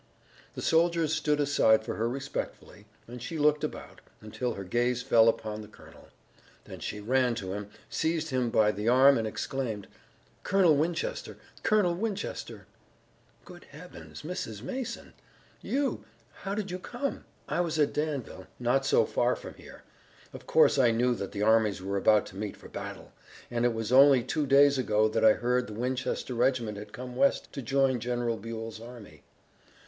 The soldiers stood aside for her respectfully, and she looked about, until her gaze fell upon the colonel. Then she ran to him, seized him by the arm, and exclaimed: "Colonel Winchester! Colonel Winchester!" "Good heavens, Mrs. Mason! You! How did you come?" "I was at Danville, not so far from here. Of course I knew that the armies were about to meet for battle! And it was only two days ago that I heard the Winchester regiment had come west to join General Buell's army."